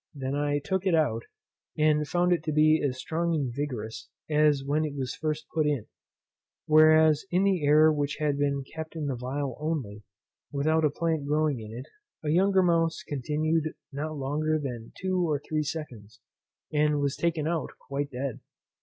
I then took it out, and found it to be as strong and vigorous as when it was first put in; whereas in that air which had been kept in the phial only, without a plant growing in it, a younger mouse continued not longer than two or three seconds, and was taken out quite dead.